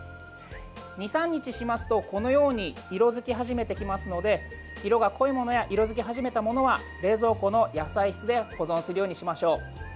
２３日しますと色づき始めてきますので色が濃いものや色づき始めたものは冷蔵庫の野菜室で保存するようにしましょう。